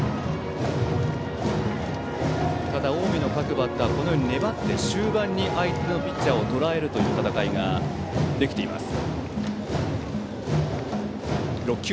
ただ、近江の各バッターは粘って終盤に相手のピッチャーをとらえるという戦いができています。